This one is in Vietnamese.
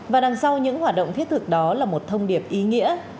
và đằng sau những hoạt động thiết thực đó là một thông điệp ý nghĩa